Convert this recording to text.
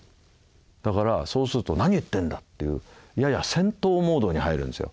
だからそうすると「何言ってんだ？」っていうやや戦闘モードに入るんですよ。